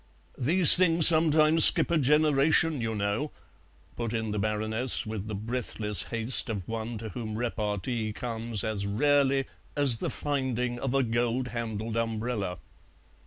"These things sometimes skip a generation, you know," put in the Baroness, with the breathless haste of one to whom repartee comes as rarely as the finding of a gold handled umbrella.